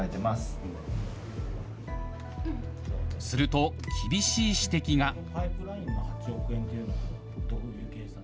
すると、厳しい指摘が。